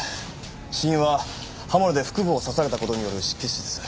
死因は刃物で腹部を刺された事による失血死です。